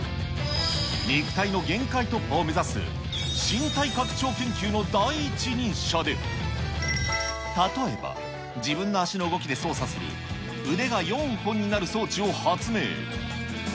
肉体の限界突破を目指す、身体拡張研究の第一人者で、例えば、自分の足の動きで操作する、腕が４本になる装置を発明。